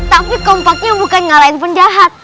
tapi kompaknya bukan nyalain penjahat